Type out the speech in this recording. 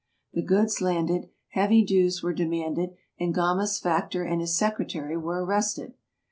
The goods landed, heavy dues were demanded, and Gama's factor and his secretary were arrested.